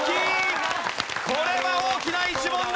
これは大きな１問だ！